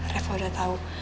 revo udah tahu